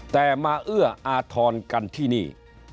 แต่มาเอื้ออาทรกันที่นี่